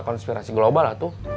konspirasi global lah tuh